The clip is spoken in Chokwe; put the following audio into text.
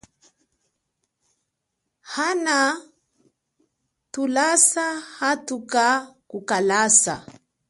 Ana thulasa hathuka kukalasa.